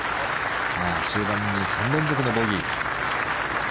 終盤に３連続のボギー。